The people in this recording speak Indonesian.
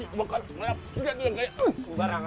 mbak rangan nih bang